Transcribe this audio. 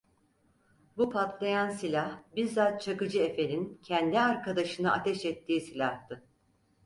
Bu patlayan silah, bizzat Çakıcı Efe'nin kendi arkadaşına ateş ettiği silahtı.